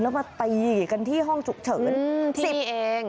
แล้วมาตีกันที่ห้องฉุกเฉิน๑๐เอง